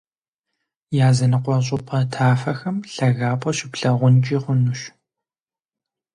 Языныкъуэ щӀыпӀэ тафэхэм лъагапӀэ щыплъагъункӀи хъунущ.